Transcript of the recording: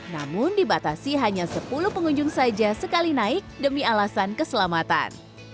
namun dibatasi hanya sepuluh pengunjung saja sekali naik demi alasan keselamatan